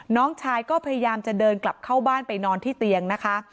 น้องชายก็พยายามจะเดินกลับเข้าบ้านไปนอนที่เตียงนะคะ